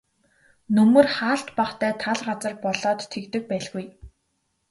Нөмөр хаалт багатай тал газар болоод тэгдэг байлгүй.